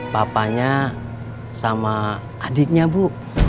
papanya sama adiknya bu